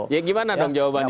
ya gimana dong jawabannya